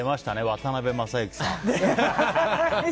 渡辺正行さん。